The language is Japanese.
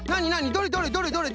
どれどれどれどれ？